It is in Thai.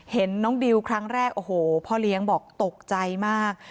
เห็นน้องดิวครั้งแรกโอ้โหพ่อเลี้ยงบอกตกใจมาก